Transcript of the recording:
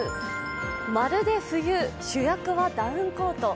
まるで冬、主役はダウンコート。